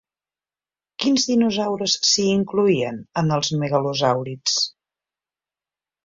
Quins dinosaures s'hi incloïen en els megalosàurids?